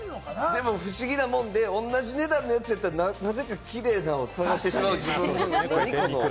でも不思議なもんで、同じ値段やったら、なぜかキレイなものを探してしまう自分が。